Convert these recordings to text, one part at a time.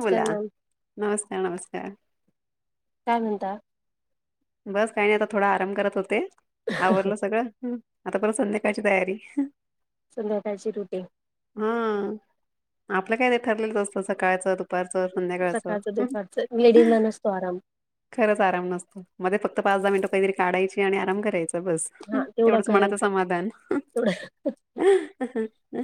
नमस्कार होला मॅम नमस्कार नमस्कार काय म्हणता. बस काही नाही आता थोडा आराम करत होते आवरलं सगळं ह आता पर संध्याकाळची तयारी संध्याकाळची रुटीग. हा आपलं काय नाही ठरलेलं असत सकाळचं दुपारच संध्याकाळच. सकाळचं दुपारचं लेडीजला नसतो आराम खरचराम नतो मध्ये फक्त पाच दहा मिनटं काहीतरी काढायची आणि आराम करायच. बस हा तेवढा तेवढंच मनाचं करायचा समाधान तेवढा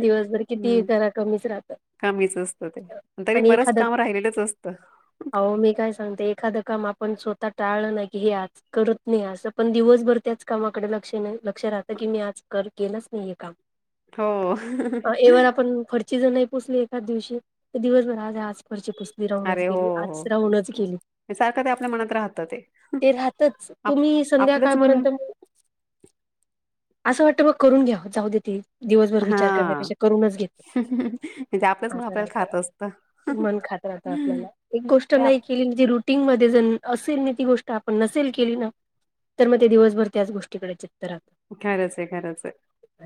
दिवसभर किती करा कमीच राहत. कामीच असत ते तरी बरंच काम राहिलेलंच असतं. हो मी काय सांगते एखादं काम आप स्वतः टळ नाही करत नाही अस पण दिवसभर त्याच कामाकडे लक्ष लक्ष राहतं की मी आज कर केलंच नाहीे काम हो अ एववर आपण फरची जर नाही पोचली एकाच दिवशी तर दिवसभर खरची पुसली राहूनच अरे हो गेली आज हो राहूनच गेली. सारखं ते आपल्या मनात राहतं ते राहतच आप तुम्ही आपलंच मन संध्याकाळपर्यंत असं वाटतं बघ करून घ्या जाऊ देथे दिवस दिवसभर विचार करून हा यापेक्षा करूनच घेते म्हणजे आपलंच मग आपल्याला खात असत. मन खात राहत. एक गोष्ट ते आप नाही केली तर रुटीन मध्ये असेल ती गोष्ट आपण नसेल केली ना तर मग ते दिवसभर त्याच गोष्टीकडे राहत खरंच आहे खरंच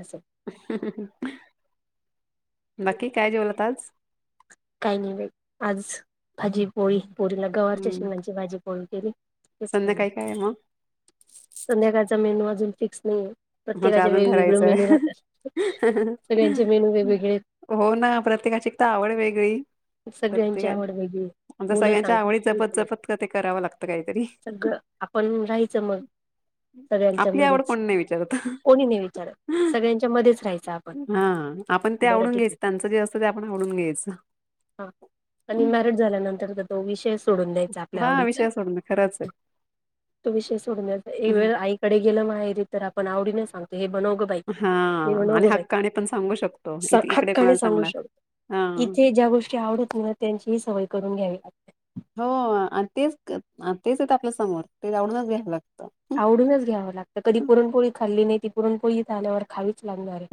असं बाकी काय जेवोलत आज काही नाही बाई आज भाजी पोळी पोळीला गववरची अ हम्म म्हची भाजी पोळी केली. फ संध्याकाळी काय आहे मग संध्याकाळचा मेनू अजून फिक्स नाही आहे. म्हणजे प्रत्येकाचे अजून वेगवेगळे ठरायचंय. मेनू राहतात सगळ्यांचे मेनू वेगवेगळे हो ना प्रत्येकाची एक तर आवड वेगळी सगळ्यांची प्रत्येका आवड वेगळी म्हणजे मुलं सगळ्यांच्या आवडी सांगत जपत जपत ते करावं लागतं काहीतरी सगळ आपण राहायचं मग सगळ्यांच्या आपली आवड मध्येच कोण नाही विचारत कोणी नाही विचारत सगळ्यांच्या मध्येच राहायचं आपण हा आपण ते बरं आवडून ठीक घ्यायच आहे त्यांचे अस आपण आवडून घ्यायच. हा आणि मॅरिट झाल्यानंतर तर तो विषय सोडून द्यायचा आपल्या आवडीचा खरांच आहे. तो विषय सोडून एक वेळ आईकडे गेलं माहेरी तर आपण आवडीने सांगतो. हे बनोगबाई हा हे आणि बनोगबाई हक्काने पण सांगू शकतो इत हक इकडे खाणी कोणाला सांगू सांगणार शकतो. हा. इथे ज्या गोष्टी आवडत ना त्यांची ह सवय करून घ्यावी लागते. हो तेच तेच येत आपल्या समोर ते आवडूनच घ्यायला लागतं आवडूनच घ्यावं लागतं कधी पुरणपोळी खाल्ली नाही ती पुरणपोळी झाल्यावर खावीच लागणार आहे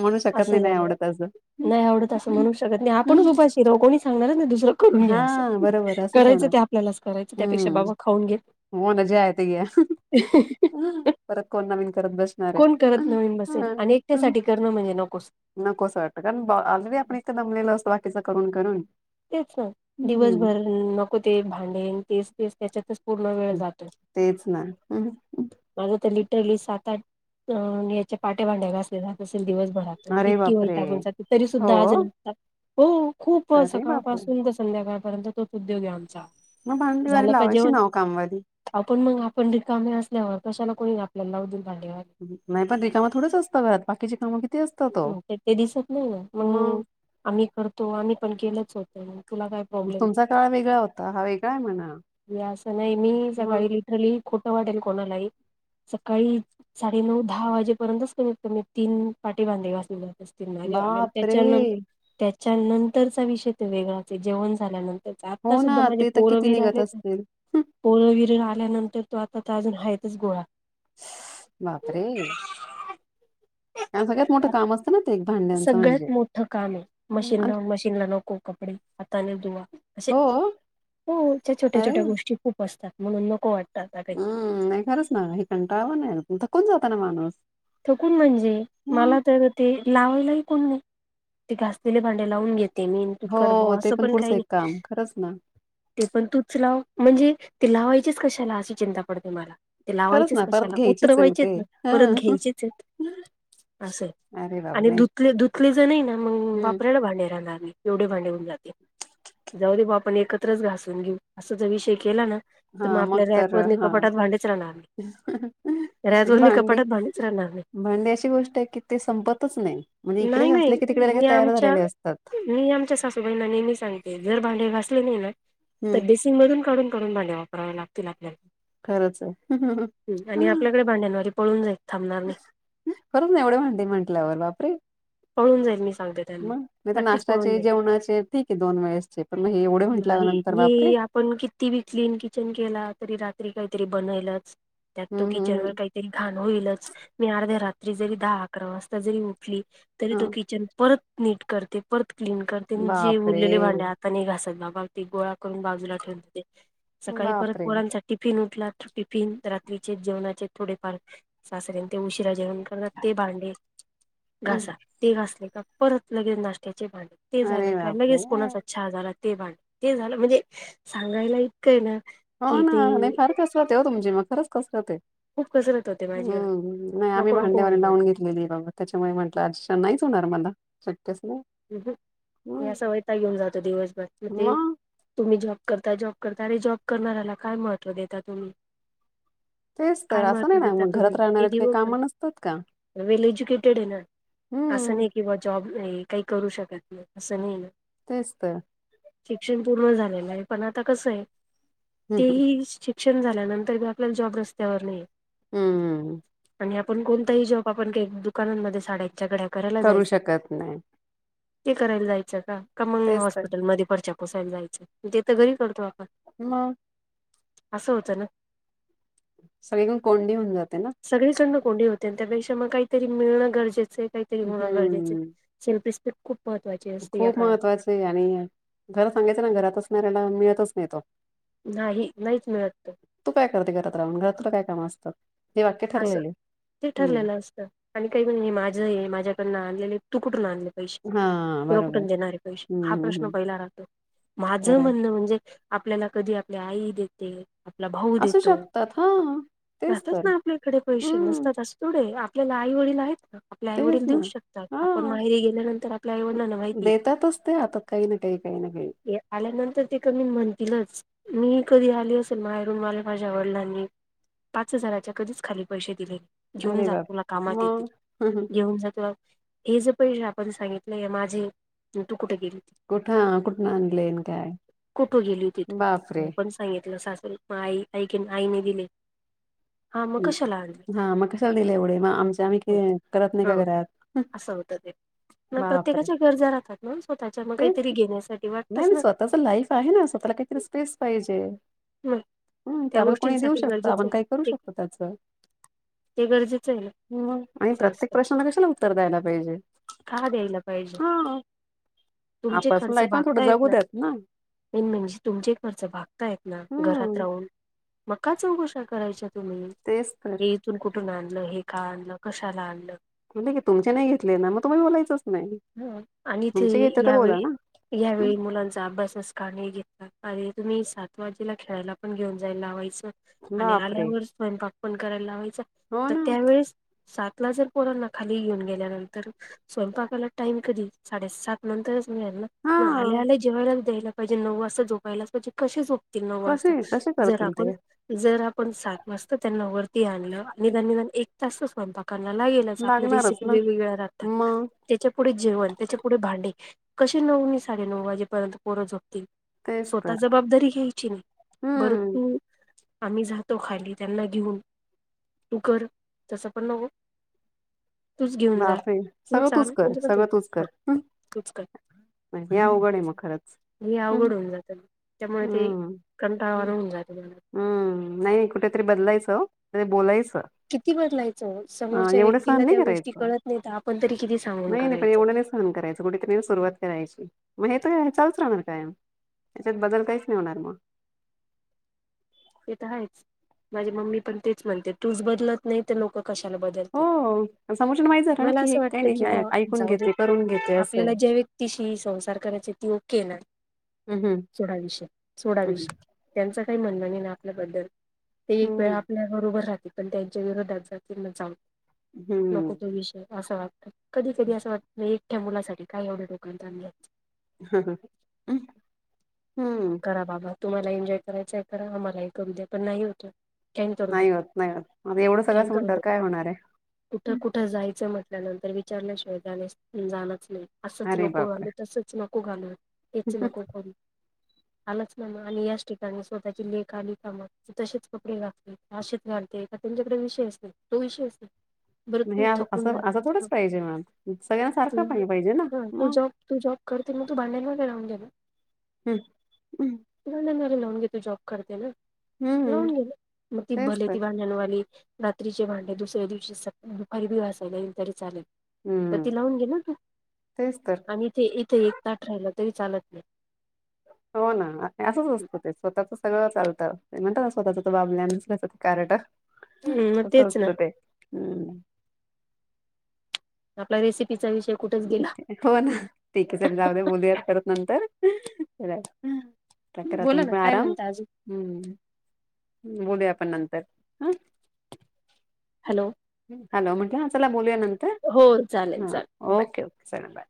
म्हणू शकत असं नाही नाही झालं आवडत असं. नाही आवडत असं म्हणू शकत नाही आपणच उपाशी राहू कोणी सांगणार हा बरोबर असच होणार ते आपल्यालाच करायचं त्यापेक्षा हम्म बाबा खाऊन घेत होन जे आहे ते [unintelligible] ह परत कोण नवीन करत बसणार आहे कोण करत नवीन बसेल आणि एकट्यासाठी करणं म्हणजे नकोच. नकोसं वाटतं कारण अगदी आपण इथं जमलेलं असं बाकीच करून करून तेच ना हम्म दिवसभर नको ते भांडे तेच तेच त्याच्यातच पूर्ण वेळ जातो तेच नाही माझ तर लिटरली सात आठ अ याच्या पाट्या भांड्या घासलेला तसे दिवस अरे इतकी बापरे वैतागून जाते तरी सुद्धा आज हो. नतात हो खूप अरे बापरे! सकाळपासून तर संध्याकाळपर्यंत तोच उद्योग आहे आमचा मग भांडीवाली झालं का लावायची जेवण नाव कामवाली. आपण मग पंडित कामे असल्यावर कशाला कोणी आपल्याला लाव नाही पण रिकामा थोडंच असतं घरात बाकीची कामं किती असतात ओ. ते ते दिसत नाही ना मग आम्ही करतो आम्ही पण केलच होत. तुला काय प्रॉब्लेम तुमचा काळ वेगळा होता हा वेगळा आहे म्हणा. [inaudible] वस नाही मी मग सकाळी लिटरली. खोटं वाटेल कोणालाही सकाळी साडेनऊ दहा वाजेपर्यंतच कमीत कमी तीन पाटी भांडे घासलेले आहे. बापरे! त्याच्यानंत त्याच्या नंतरचा विषय तो वेगळाच जेवण झाल्यानंतर आता हो सुद्धा ना म्हणजे ते तर किती पोरबीर निघत आले असतील. हं, पोरबीर. ल्यानंतर तो आता अजून हच गोळा बापरे, त्यां सगळ्यात मोठं काम असत, सगळ्यात मोठं काम आहे हं, मशीन आणि- मशीनला नको कपडे हाताने धुवा असे, हो हो त्या छोट्या छोट्या गोष्टी खूप असतात म्हणून नको वाटतं. आता काही हम् नाही खरंच ना हे कंटाळवं नाही थकून जाता ना माणूस, थकून म्हणजे मला मग तर ते लावायला. ते घासलेले भांडे लावून घेत ते मी तू करवो हो ते असं पण काही पुढचं एक नाही काम खरंच ना. ते पण तूच लाव म्हणजे ते लावायचेच कशाला अशी चिंता पडते मला ते खरंच लावायचेच ना परत कशाला घ्यायचीच आहे उतरवायचेच ते. ना हा परत घ्यायचे अस अरे बाबा आणि नाही धूतले जर नाही ना मग हम्म. वापरायला भांडे राहत भांडे होऊन जाते. जाऊ दे बा आपण एकत्रच घासून घेऊ अस ज विषय केला ना तर मग हा आपल्या तर रॅक ववर नि हा कपाटात भांडीच राहणार रॅत वर नि कपाटात भांडी भांडी अशी गोष्ट आहे की ते संपतच नाही म्हणजे इकडे नाही घ असले की तिकडे नाही लगे मी तयार आमच्या झालेले असतात. मी आमच्या सासूबाईंना नेहमी सांगते जर घासले नाही ना तर हम्म बेसिन मधून काढून काढून भांडे वापरावे लागतील आपल्याला खरंच आहे [inaudible] आणि आपल्याकडे भांड्यांवारी पळून जाय खरच ना एवढे भांडे म्हंटल्यावर बापरे! पळून जाईल मी, सांगते त्यांना मग नाही तर नक्कीच पळून नाश्ताचे जाईल जेवणाचे ठीक आहे दोन वेळेसचे पण मग हे एवढे म्हंटल्या नाही नंतर वापरे, हे आपण किती बी क्लीन किचन केला तरी. काहीतरी बणेलच त्यात ते हम्म हम्म किचनवर हम्म काही तरी घाण होईलच आणि रात्री दहा अकरा जरी वाजता जरी उठली तरी तो हा किचन परत नीट करते. क्लीन करते म्हणजे बापरे उरलेले भांडे आता नाही घासत बाबा ते गोळा करून बाजूला ठेवूनते ते सकाळी परत बापरे पोरांचा टिफिन उठला तर टिफिन रात्रीचे जेवणाचे थोडेफार सासऱ्याने ते उशिरा जेवण करतात ते भांडे हम्म. घासा ते घासले का परत लगेच नाश्त्याचे भांडे ते झाले अरे का बापरे लगेच कोणाचा चहा झाला ते ब ते झालं म्हणजे सांगायला इतकंय ना हो कि ना नाही ती फार कसरते हो तुमची मग खरंच कसरते खूप कसरत. होते माझी हम् नाही आम्ही नको नको भांड्यावर होऊन लावून जाते घेतलेली आहे बघ त्याच्यामुळे म्हंटलं आश नाहीच होणार मला शक्यच नाही या हम्म सवयता घेऊन जातो दिवसभर मग ते तुम्ही जॉ करता जॉब करता अरे जॉब करणारला काय महत्त्व देता तुम्ही तेच तर काय असं महत्त्व नाही ना देता मग घरात तुम्ही ते राहणाऱ्या काही काम दिवसभर नसतात का वेल एज्युकेटेड आहे ना असं हम्म नाही कि बा जॉब काही करू शकत नाही असं नाही ना. तेच तर शिक्षण पूर्ण झालेलं आहे पण आता कसं आहे ते हम्म ह शिक्षण झाल्यानंतर मी आपल्याला जॉब रस्त्यावर नाही हम्म हम्. आणि आपण कोणताही जॉब आपण दुकानांमध्ये साडेच्याकडे करू शकत नाही. ते करायला जायचं का मंग तेच तर हॉस्पिटल मध्ये पर्च्या पोसायला जायचं ते तर घरी करतो आप हम. असं होतं ना. सगळीकन कोंडी होऊन जाते ना. सगळीकडनं कोंडी होते त्यापेक्षा मग काहीतरी मिळणं गरजेचं आहे काहीतरी होणं गरजेचं हम्म शिल्प स्प खूप. महत्त्वाची असते या खूप काळात महत्त्वाचे आणि घर सांगायचं ना घरात असणाऱ्याला मिळतच नाही तो नाही नाहीच मिळत तू काय करते घरात राहून घरातुलं काय काम असत. असं ते हम्म ठरलेलं असतं आणि काही म्हण हे माझं हे माझ्याकडन. तुकटून आणले. पैसे हा तुला बरोबर कुठून देणारे पैसे हम्म हा हम्म प्रश्न हम्म पहिला राहतो माझं खरंय म्हणणं म्हणजे आपल्याला कधी आपली आई देते आपला भाऊ असू देतो शकतात. हां. तेच तसच तर. ना. इकडे पैसे हं. नसतात अस थोडे आपल्याला आई वडील आहेत. आपल्या तेच आईवडील ना. देऊ शकतात आपण हां. माहेरी गेल्यानंतर आपल्या आईवडिंना माहिती. देतातच ते हातात काही ना काही, काही ना काही. आल्यानंतर ते क मी म्हणतीलच. मी कधी आली असेल मायरूमवाले माझ्या वडलांनी पाच हजाराच्या कधीच खाली पैसे दिलेले घेऊन अरे जा बाप! तुला कामात मग येेततील घेऊन जा तुला हे ज पण आपण सांगितलंय माझे त कुठं कुठून आणलंन काय? कुठं गेली तिथून बापरे! म पण सांगितलं स आईक आईने दिले हा. मग कशाला आणली हा मग कश दिलं एवढे मग आमच्या आम्ही करत नाही का ह घरात असं होतं ते ना बापर प्रत्येकाच्या गरजा राहतात ना स्वतःच्या मग ते काहीतरी घेण्यासाठी वाटतच नाही ना स्वतःच लाईफ आहे ना स्वतः पेसे मग त्या दे गोष्टींसाठी शक गरजेचं आपण आहे का करू ते शकतो. अच्छा. ते गरजेचं आहे ना हम् आणि असं प्रत्येक असतं प्रश्नाला कशाला उत्तर द्यायला पाहिजे. का द्यायला पाहिजे हां. तुमचे पर्सनल खर्च लाईफ पण थोडं भागता येत जगू ना. द्यात मेन म्हणजे तुमची एक खर्च भागता आहेत ना घरात हं. राहून मका चौकुशा करायच्या तुम्ही तेज तर. कून आणलं हे का आणलं कशाला आणलं. नाहीी तुमचे नाही घेतले ना मग तुम्ही बोलायचंच नाही ह आणि इथे तुमचे घेतले तर बोला यावेळी ना. हं, यावेळी मुलांचा अभ्यासनेस करणे येत. अरे तुम्ही सात वाजेला खेळायला पण घेऊन जाय लावायचं आणि बापरे आल्यावरच स्वयंपाक फोन करायला लावायचा हो आ ना त्यावेळेस सात ला जर पोर ना खाली येऊन गेल्यानंतर स्वयंपाकाला टाईम कधी साडेसात नंतर ना हा मग आल्याला जेवायलाच द्यायला पाहिजे नऊ वाजता जोपायलाच पाहिजे कसे झो. नऊ कसे वाजता कसे जर करतील आपण ते जर आपण सात वाजता. वती आण आणि एक त स्वय. लागेलच आपल्या लागणारच रेसिपी ना वेगवेगळ्या राहतात मग त्याच्या पुढे जेवण त्याच्या पुुढे भांडे कसे नऊ मी साडेनऊ वाजेपर्यंत पोरं झोपतील. तेच स्वतः तर जबाबदारी घ्यायची नाही बरं हम्म तू आम्ही जातो खाली. त्यांना घेऊन तू कर तस पण नव बा सगळं तूच कर सगळं तूच कर. तूच कर म्हणजे या अघड आहे मग खरंच. हे हं, अवघड होऊन जातं त्यामुळे ते हम्म कंटाळवाणं होऊन जातं मला हम्म नाही कुठेतरी बदलायचं बोलायचं. किती बदलायचं अं, समोरच्या एवढं सहन व्यक्तीला नाही त्या गोष्टी करायचं कळत नाही तर आपण तरी किती सांगून नाही नाही पण करायचं एवढं नाही सहन करायच कुठेतरी सुरुवात करायची म्हणजे येत चालूच राहणार काय त्याच्यात बदल काहीच नाही होणार मग ते तर आहेच माझी मम्मी पण तेच म्हणते तूच बदलत नाही तर लोक कशाला बदलतील. हो समोरच्याला माहित झालं ना मला की हे असं काही वाटत नाही की ब हे ऐकून जाऊ दे घेते करून घेते असं आपल्याला आहे. ज्या व्यक्तीशी संसार ओ हम्म हम्म. स म्हण ना आपल्याबद्दल ते एक वेळ हम्म आपल्या बरोबर रा पण त्यांच्या विरोधात जील जाऊ नको त विषय असं वाटतात कधी कधी असं वाटत नाही एकठ्या मुलासाठी काय एवढे लोकणां हम् हम् हम्म करा बाबा तुम्हाला एन्जॉय करायचं आहे करा आम्हालाही कर उद्या पण नाही होत का करू देत नाही होत नाही होत आता एवढं सगळं का असं करू म्हटल्यावर द काय होणार आहे. कुठं कुठं जायचं मट आपल्यानंतर विचारल्या शिवादाने जाणच नाही असंच अरे नको बापरे घालू तसंच नको घालू इची नको क आलंच ना म आणि याच ठिकाणी स्वतःची लेख आली का मग तू तसेच कपडे घातते अच घालते त्यांच्याकडे विषय असत तो विषय असत बरं हे तू थकून असं असं थोडंच पाहिजे मॅम सगळ्यांना सारखं जे पाणी पाहिजे ना तू मग जॉ जॉब करतील मग तू भांडणवरग लावून जाला हम् हम्म लवन घे तू जॉब करते ना हम्म लोन घे म त तेच भले तर ती बाार जानवाली रात्रीची भांडी दुसऱ्या दिवशी दुपारी घासले गेले तरी चालेल तर हम्म ती लावून गे ना तू तेच तर आणि इथे इथे एक ताट राहिला तरी चालत नाही हो ना असंच असतो ते स्वतःचच सगळं चालतं ते म्हणात ना स्वतःच त बाबल्या कारट हम् मग तस तेच ना असतं ते हम् आपल्या रेसिपी हो ना ठीक आहे चल जाऊ दे बोलूयार करत नंतरला तक बोला तुम्ही ना पण काय आराम म्हणता अजून हम्म बोलूया आपण नंतर हं हॅलो हॅलो म्हटलं हा चला बोलूया नंतर हो चालेल हा चालेल बाय ओके ओके चलाल बाय